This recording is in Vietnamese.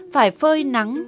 phải phơi nắng